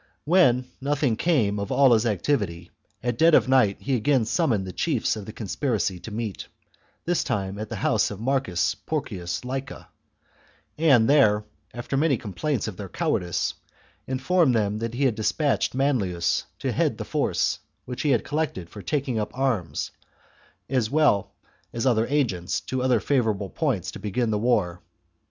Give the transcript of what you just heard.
When nothing came of all his activity, at dead of night he again summoned the chiefs of the conspiracy to meet, this time at the house of Marcus Porcius Laeca, and there, after many complaints of their cowardice, in formed them that he had despatched Manlius to head the force which he had collected for taking up arms, as well as other agents to other favourable points to begin the war.